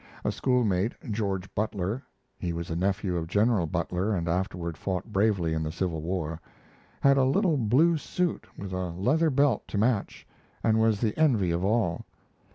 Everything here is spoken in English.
A schoolmate, George Butler (he was a nephew of General Butler and afterward fought bravely in the Civil War), had a little blue suit with a leather belt to match, and was the envy of all.